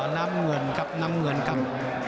น้ำเหนือนกับน้ำเหนือนกับ